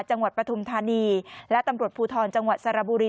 จังหวัดประธุมธานีและตำรวจภูทรจังหวัดสารบุรี